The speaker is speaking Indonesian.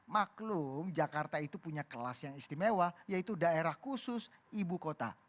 maklum jakarta itu punya kelas yang istimewa yaitu daerah khusus ibu kota